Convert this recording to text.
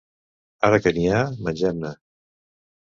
Ara que n'hi ha, mengem-ne.